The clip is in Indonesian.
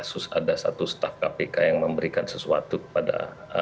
kasus ada satu staf kpk yang memberikan sesuatu kepada